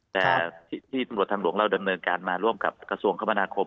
แต่ที่ตำรวจทางหลวงเราดำเนินการมาร่วมกับกระทรวงคมนาคม